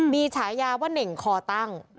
มีฉายาว่าเน่งคอตั้ง